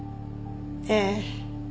ええ。